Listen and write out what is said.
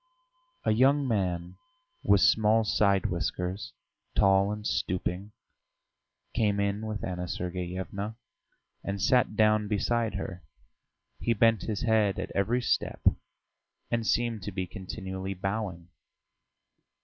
A young man with small side whiskers, tall and stooping, came in with Anna Sergeyevna and sat down beside her; he bent his head at every step and seemed to be continually bowing.